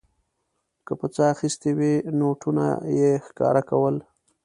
که په څه اخیستې وې نوټونه یې ښکاره کول.